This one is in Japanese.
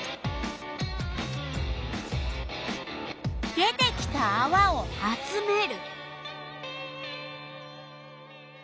出てきたあわを集める。